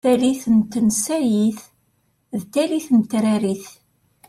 Tallit n tensayit d tallit n tetrarit.